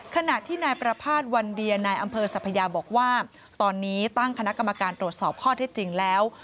ขณะที่นายประภาษณ์วันเดียนายอำเภอสัพยาบอกว่าตอนนี้ตั้งคณะกรรมการตรวจสอบข้อเท็จจริงแล้ว